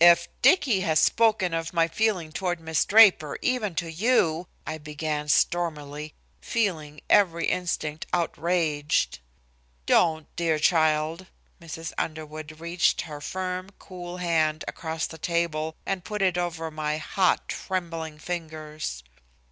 "If Dicky has spoken of my feeling toward Miss Draper, even to you," I began stormily, feeling every instinct outraged. "Don't, dear child." Mrs. Underwood reached her firm, cool hand across the table, and put it over my hot, trembling fingers.